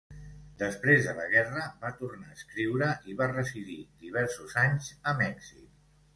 Després de la guerra va tornar a escriure i va residir diversos anys a Mèxic.